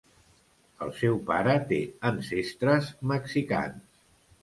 El seu pare té ancestres mexicans.